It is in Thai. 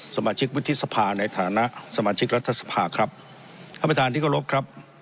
สมาชิกวุฒิสภาในฐานะสมาชิกรัฐสภาครับท่านประธานที่เคารพครับ